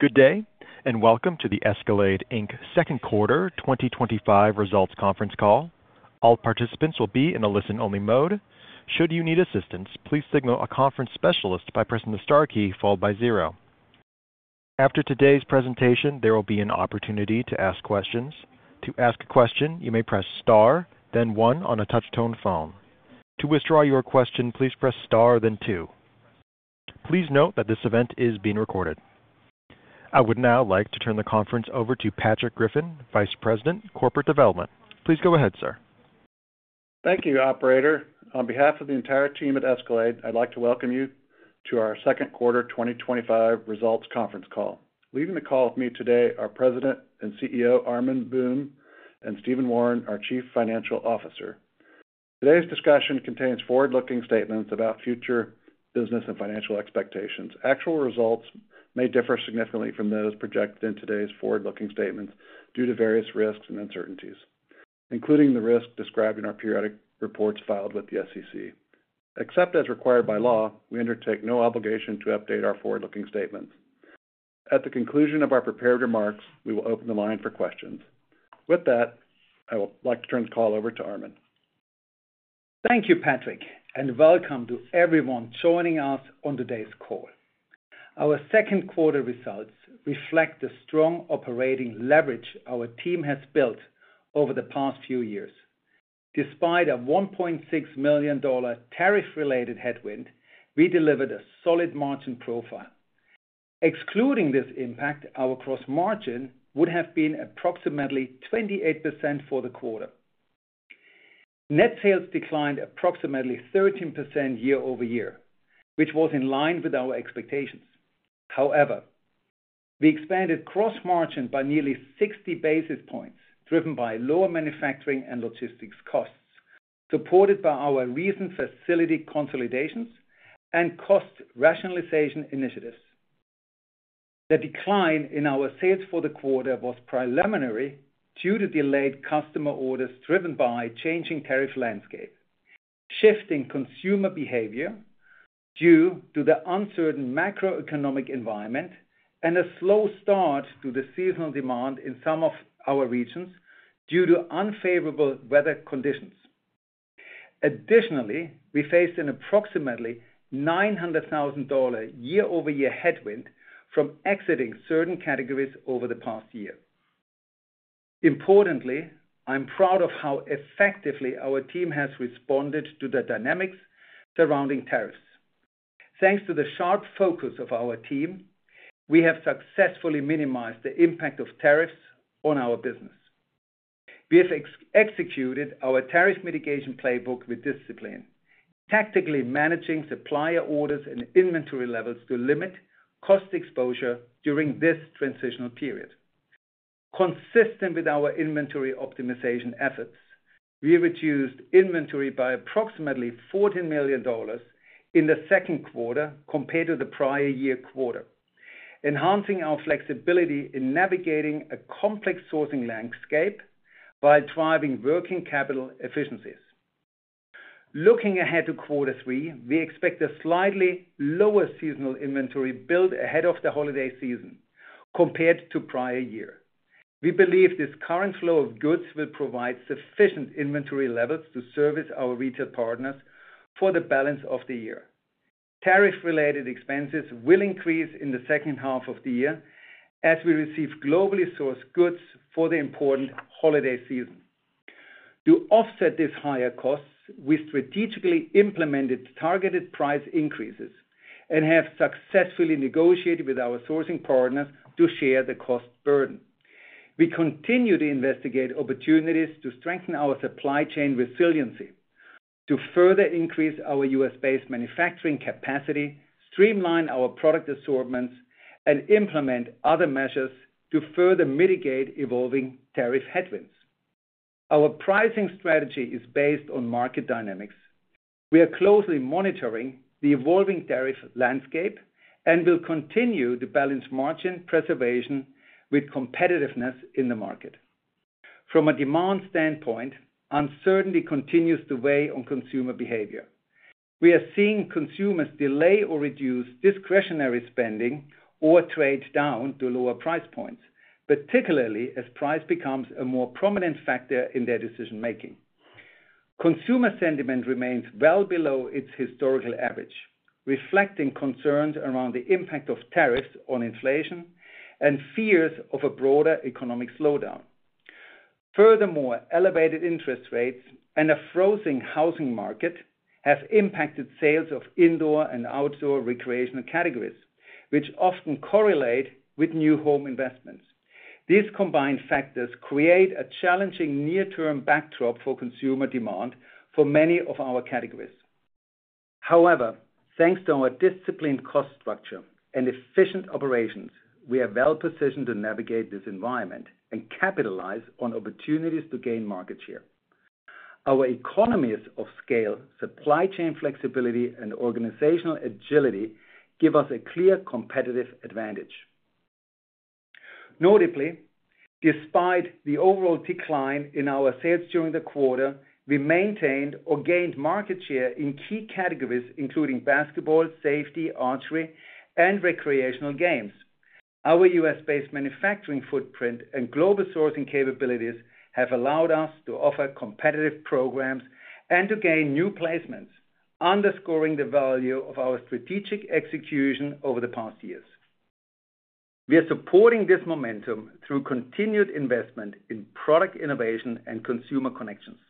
Good day, and welcome to the Escalade Inc. second quarter 2025 results conference call. All participants will be in a listen-only mode. Should you need assistance, please signal a conference specialist by pressing the star key followed by zero. After today's presentation, there will be an opportunity to ask questions. To ask a question, you may press star, then one on a touch-tone phone. To withdraw your question, please press star, then two. Please note that this event is being recorded. I would now like to turn the conference over to Patrick Griffin, Vice President, Corporate Development. Please go ahead, sir. Thank you, Operator. On behalf of the entire team at Escalade, I'd like to welcome you to our second quarter 2025 results conference call. Leading the call with me today are President and CEO Armin Boehm and Stephen Wawrin, our Chief Financial Officer. Today's discussion contains forward-looking statements about future business and financial expectations. Actual results may differ significantly from those projected in today's forward-looking statements due to various risks and uncertainties, including the risk described in our periodic reports filed with the SEC. Except as required by law, we undertake no obligation to update our forward-looking statements. At the conclusion of our prepared remarks, we will open the line for questions. With that, I would like to turn the call over to Armin. Thank you, Patrick, and welcome to everyone joining us on today's call. Our second quarter results reflect the strong operating leverage our team has built over the past few years. Despite a $1.6 million tariff-related headwind, we delivered a solid margin profile. Excluding this impact, our gross margin would have been approximately 28% for the quarter. Net sales declined approximately 13% year over year, which was in line with our expectations. However, we expanded gross margin by nearly 60 basis points, driven by lower manufacturing and logistics costs, supported by our recent facility consolidations and cost rationalization initiatives. The decline in our sales for the quarter was primarily due to delayed customer orders driven by a changing tariff landscape, shifting consumer behavior due to the uncertain macroeconomic environment, and a slow start to the seasonal demand in some of our regions due to unfavorable weather conditions. Additionally, we faced an approximately $900,000 year-over-year headwind from exiting certain categories over the past year. Importantly, I'm proud of how effectively our team has responded to the dynamics surrounding tariffs. Thanks to the sharp focus of our team, we have successfully minimized the impact of tariffs on our business. We have executed our tariff mitigation playbook with discipline, tactically managing supplier orders and inventory levels to limit cost exposure during this transitional period. Consistent with our inventory optimization efforts, we reduced inventory by approximately $14 million in the second quarter compared to the prior year quarter, enhancing our flexibility in navigating a complex sourcing landscape while driving working capital efficiencies. Looking ahead to quarter three, we expect a slightly lower seasonal inventory build ahead of the holiday season compared to the prior year. We believe this current flow of goods will provide sufficient inventory levels to service our retail partners for the balance of the year. Tariff-related expenses will increase in the second half of the year as we receive globally sourced goods for the important holiday season. To offset these higher costs, we strategically implemented targeted price increases and have successfully negotiated with our sourcing partners to share the cost burden. We continue to investigate opportunities to strengthen our supply chain resiliency, to further increase our U.S.-based manufacturing capacity, streamline our product assortments, and implement other measures to further mitigate evolving tariff headwinds. Our pricing strategy is based on market dynamics. We are closely monitoring the evolving tariff landscape and will continue to balance margin preservation with competitiveness in the market. From a demand standpoint, uncertainty continues to weigh on consumer behavior. We are seeing consumers delay or reduce discretionary spending or trade down to lower price points, particularly as price becomes a more prominent factor in their decision-making. Consumer sentiment remains well below its historical average, reflecting concerns around the impact of tariffs on inflation and fears of a broader economic slowdown. Furthermore, elevated interest rates and a frozen housing market have impacted sales of indoor and outdoor recreational categories, which often correlate with new home investments. These combined factors create a challenging near-term backdrop for consumer demand for many of our categories. However, thanks to our disciplined cost structure and efficient operations, we are well positioned to navigate this environment and capitalize on opportunities to gain market share. Our economies of scale, supply chain flexibility, and organizational agility give us a clear competitive advantage. Notably, despite the overall decline in our sales during the quarter, we maintained or gained market share in key categories, including basketball, safety, archery, and recreational games. Our U.S.-based manufacturing footprint and global sourcing capabilities have allowed us to offer competitive programs and to gain new placements, underscoring the value of our strategic execution over the past years. We are supporting this momentum through continued investment in product innovation and consumer connections.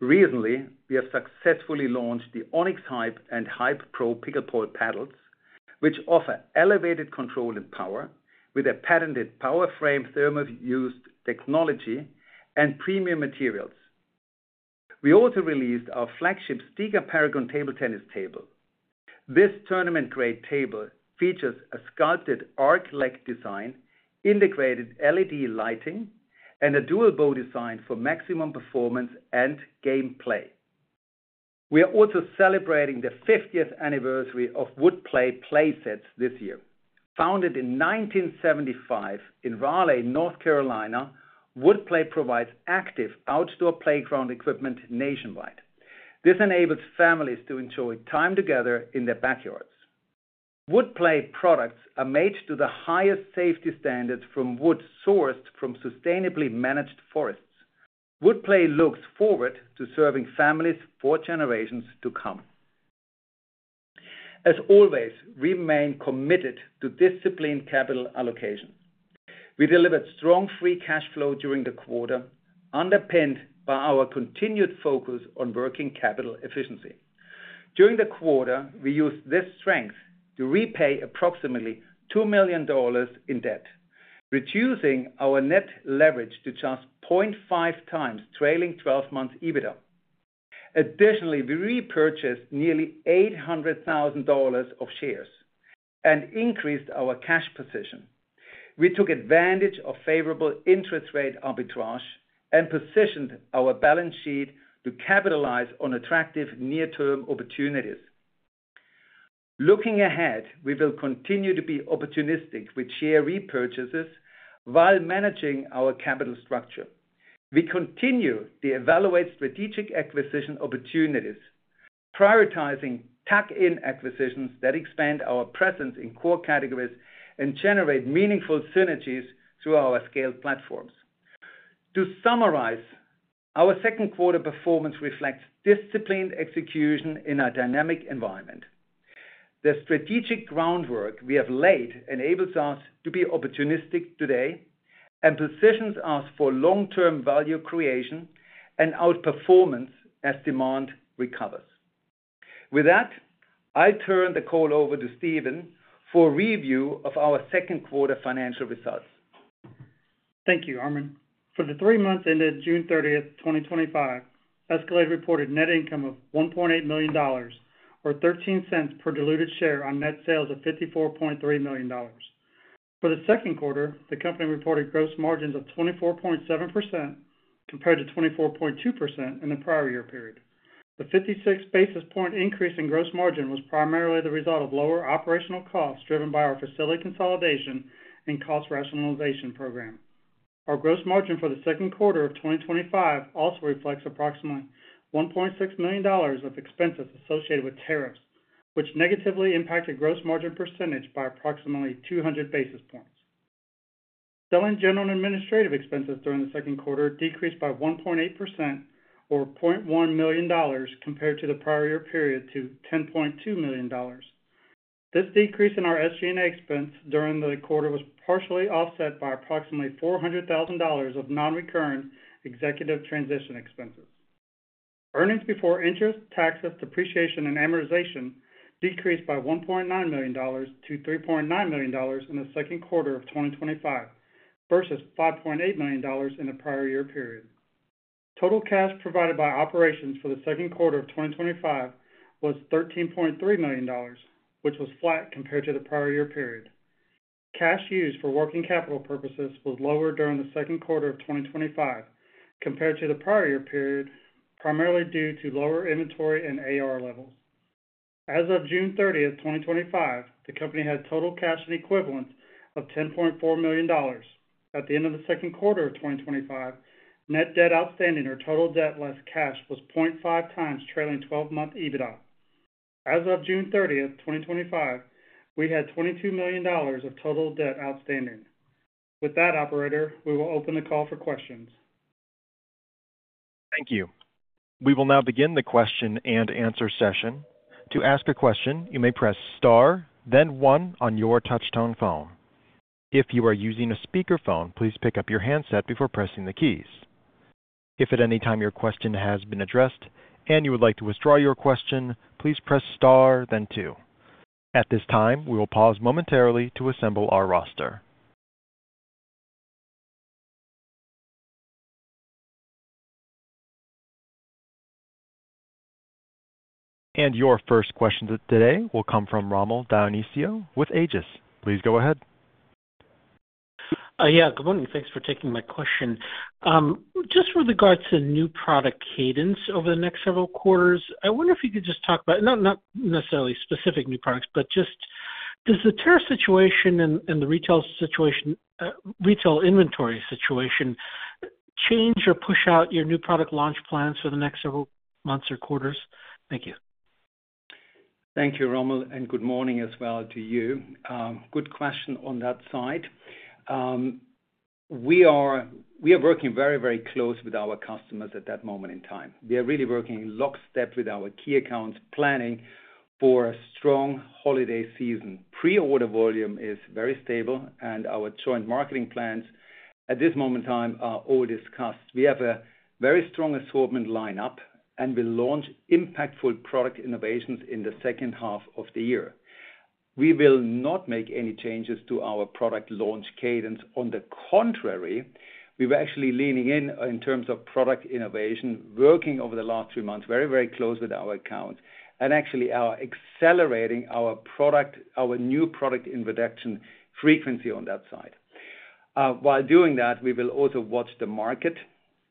Recently, we have successfully launched the Onix Hype and Hype Pro pickleball paddles, which offer elevated control and power, with a patented power frame thermofused technology and premium materials. We also released our flagship STIGA Paragon table tennis table. This tournament-grade table features a sculpted arc-like design, integrated LED lighting, and a dual bow design for maximum performance and gameplay. We are also celebrating the 50th anniversary of Woodplay playsets this year. Founded in 1975 in Raleigh, North Carolina, Woodplay provides active outdoor playground equipment nationwide. This enables families to enjoy time together in their backyards. Woodplay products are made to the highest safety standards from wood sourced from sustainably managed forests. Woodplay looks forward to serving families for generations to come. As always, we remain committed to disciplined capital allocation. We delivered strong free cash flow during the quarter, underpinned by our continued focus on working capital efficiency. During the quarter, we used this strength to repay approximately $2 million in debt, reducing our net leverage to just 0.5 times trailing 12-month EBITDA. Additionally, we repurchased nearly $800,000 of shares and increased our cash position. We took advantage of favorable interest rate arbitrage and positioned our balance sheet to capitalize on attractive near-term opportunities. Looking ahead, we will continue to be opportunistic with share repurchases while managing our capital structure. We continue to evaluate strategic acquisition opportunities, prioritizing tuck-in acquisitions that expand our presence in core categories and generate meaningful synergies through our scaled platforms. To summarize, our second quarter performance reflects disciplined execution in a dynamic environment. The strategic groundwork we have laid enables us to be opportunistic today and positions us for long-term value creation and outperformance as demand recovers. With that, I'll turn the call over to Stephen for a review of our second quarter financial results. Thank you, Armin. For the three months ended June 30, 2025, Escalade reported net income of $1.8 million, or $0.13 per diluted share on net sales of $54.3 million. For the second quarter, the company reported gross margins of 24.7% compared to 24.2% in the prior year period. The 56 basis point increase in gross margin was primarily the result of lower operational costs driven by our facility consolidation and cost rationalization program. Our gross margin for the second quarter of 2025 also reflects approximately $1.6 million of expenses associated with tariffs, which negatively impacted gross margin percentage by approximately 200 basis points. Selling, general, and administrative expenses during the second quarter decreased by 1.8%, or $0.1 million, compared to the prior year period to $10.2 million. This decrease in our SG&A expense during the quarter was partially offset by approximately $400,000 of non-recurring executive transition expenses. Earnings before interest, taxes, depreciation, and amortization decreased by $1.9 million to $3.9 million in the second quarter of 2025, versus $5.8 million in the prior year period. Total cash provided by operations for the second quarter of 2025 was $13.3 million, which was flat compared to the prior year period. Cash used for working capital purposes was lower during the second quarter of 2025 compared to the prior year period, primarily due to lower inventory and AR levels. As of June 30, 2025, the company had total cash and equivalents of $10.4 million. At the end of the second quarter of 2025, net debt outstanding or total debt less cash was 0.5 times trailing 12-month EBITDA. As of June 30, 2025, we had $22 million of total debt outstanding. With that, Operator, we will open the call for questions. Thank you. We will now begin the question and answer session. To ask a question, you may press star, then one on your touch-tone phone. If you are using a speaker phone, please pick up your handset before pressing the keys. If at any time your question has been addressed and you would like to withdraw your question, please press star, then two. At this time, we will pause momentarily to assemble our roster. Your first question today will come from Rommel Dionisio with Aegis. Please go ahead. Yeah, good morning. Thanks for taking my question. Just with regard to new product cadence over the next several quarters, I wonder if you could just talk about not necessarily specific new products, but just does the tariff situation and the retail inventory situation change or push out your new product launch plans for the next several months or quarters? Thank you. Thank you, Rommel, and good morning as well to you. Good question on that side. We are working very, very close with our customers at that moment in time. We are really working in lockstep with our key accounts, planning for a strong holiday season. Pre-order volume is very stable, and our joint marketing plans at this moment in time are all discussed. We have a very strong assortment lineup, and we'll launch impactful product innovations in the second half of the year. We will not make any changes to our product launch cadence. On the contrary, we were actually leaning in in terms of product innovation, working over the last three months very, very close with our accounts, and actually accelerating our product, our new product introduction frequency on that side. While doing that, we will also watch the market,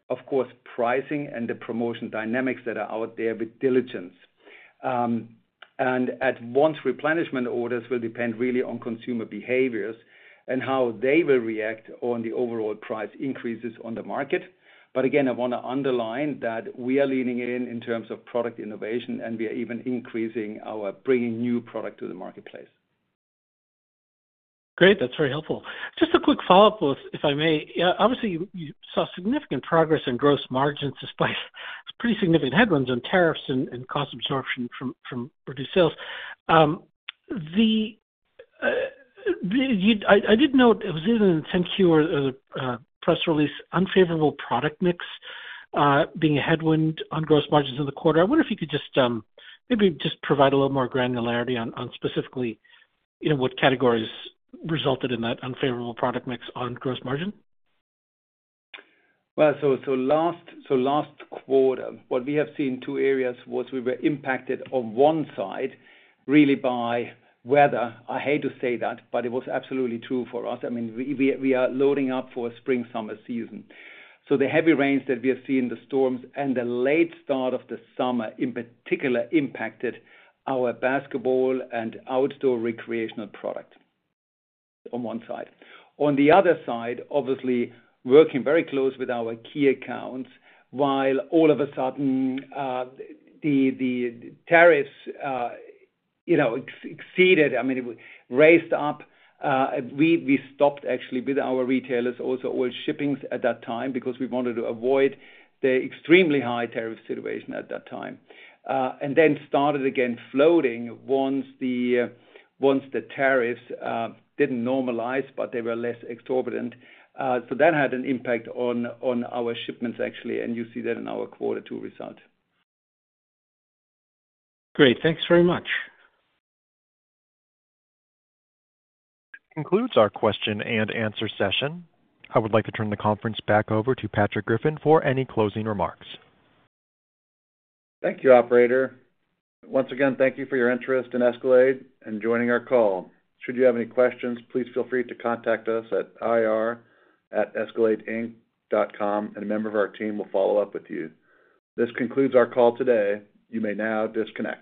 of course, pricing and the promotion dynamics that are out there with diligence. At once, replenishment orders will depend really on consumer behaviors and how they will react on the overall price increases on the market. Again, I want to underline that we are leaning in in terms of product innovation, and we are even increasing our bringing new product to the marketplace. Great. That's very helpful. Just a quick follow-up, if I may. Obviously, you saw significant progress in gross margins despite pretty significant headwinds on tariffs and cost absorption from reduced sales. I did note it was either in the Sent Hue or the press release, unfavorable product mix being a headwind on gross margins in the quarter. I wonder if you could just maybe provide a little more granularity on specifically what categories resulted in that unfavorable product mix on gross margin. Last quarter, what we have seen in two areas was we were impacted on one side really by weather. I hate to say that, but it was absolutely true for us. I mean, we are loading up for a spring-summer season. The heavy rains that we have seen, the storms, and the late start of the summer in particular impacted our basketball and outdoor recreational product on one side. On the other side, obviously working very close with our key accounts, while all of a sudden the tariffs exceeded, I mean, raised up. We stopped actually with our retailers, also all shippings at that time because we wanted to avoid the extremely high tariff situation at that time. Then started again floating once the tariffs didn't normalize, but they were less exorbitant. That had an impact on our shipments actually, and you see that in our quarter two result. Great, thanks very much. That concludes our question and answer session. I would like to turn the conference back over to Patrick Griffin for any closing remarks. Thank you, Operator. Once again, thank you for your interest in Escalade and joining our call. Should you have any questions, please feel free to contact us at ir@escaladeinc.com, and a member of our team will follow up with you. This concludes our call today. You may now disconnect.